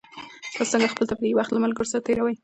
تاسو څنګه خپل تفریحي وخت له ملګرو سره تېروئ؟